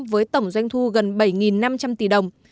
với tổng doanh thu gần bảy năm trăm linh tỷ đồng